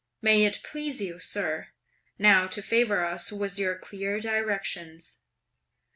May it please you, sir, now to favour us with your clear directions."